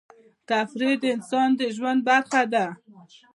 تفریح د انسان د ژوند برخه ده.